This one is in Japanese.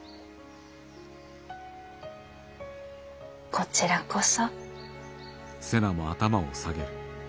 こちらこそ。